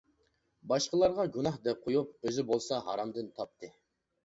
باشقىلارغا گۇناھ دەپ قۇيۇپ، ئۆزى بولسا ھارامدىن تاپتى.